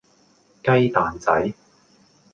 雞蛋仔